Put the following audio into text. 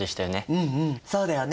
うんうんそうだよね。